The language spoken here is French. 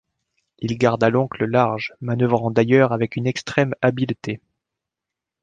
Il garda donc le large, manœuvrant d’ailleurs avec une extrême habileté.